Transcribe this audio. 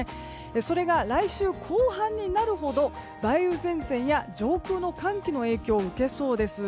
それが来週後半になるほど梅雨前線や上空の寒気の影響を受けそうです。